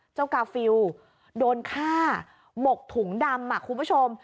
กาฟิลโดนฆ่าหมกถุงดำคุณผู้ชม